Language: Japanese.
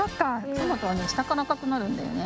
トマトはねしたからあかくなるんだよね。